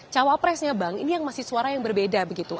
cawapresnya bang ini yang masih suara yang berbeda begitu